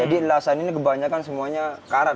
ini kebanyakan semuanya karat